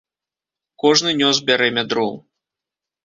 Кожны нёс бярэмя дроў.